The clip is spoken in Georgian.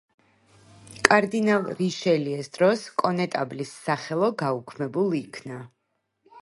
კარდინალ რიშელიეს დროს კონეტაბლის სახელო გაუქმებულ იქნა.